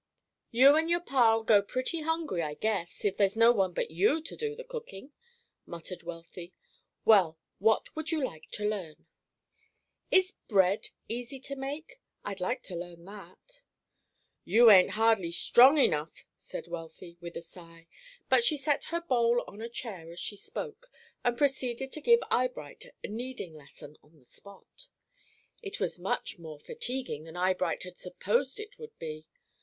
"You and your Pa'll go pretty hungry, I guess, if there's no one but you to do the cooking," muttered Wealthy. "Well, what would you like to learn?" "Is bread easy to make? I'd like to learn that." "You ain't hardly strong enough," said Wealthy, with a sigh, but she set her bowl on a chair as she spoke, and proceeded to give Eyebright a kneading lesson on the spot. It was much more fatiguing than Eyebright had supposed it would be.